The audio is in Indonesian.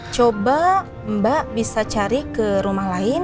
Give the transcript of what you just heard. coba mbak bisa cari ke rumah lain